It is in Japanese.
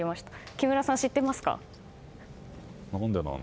木村さん、知ってますか？